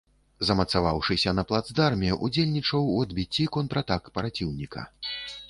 Замацаваўшыся на плацдарме, удзельнічаў у адбіцці контратак праціўніка.